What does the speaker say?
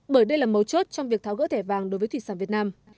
bởi đây là mấu chốt trong việc tháo gỡ thẻ vàng đối với thủy sản việt nam